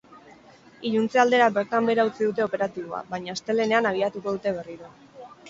Iluntze aldera bertan behera utzi dute operatiboa, baina astelehenean abiatuko dute berriro.